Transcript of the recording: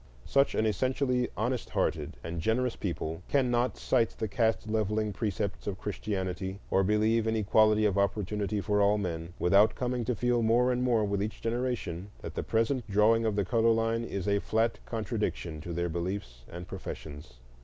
Such an essentially honest hearted and generous people cannot cite the caste levelling precepts of Christianity, or believe in equality of opportunity for all men, without coming to feel more and more with each generation that the present drawing of the color line is a flat contradiction to their beliefs and professions.